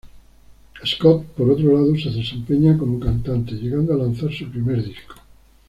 Scott, por otro lado se desempeña como cantante, llegando a lanzar su primer disco.